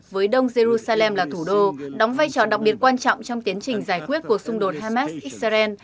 với đông jerusalem là thủ đô đóng vai trò đặc biệt quan trọng trong tiến trình giải quyết cuộc xung đột hamas israel